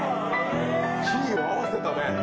キー合わせたね。